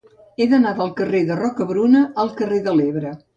He d'anar del carrer de Rocabruna al carrer de l'Ebre.